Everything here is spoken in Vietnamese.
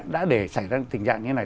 đã để xảy ra tình trạng như thế này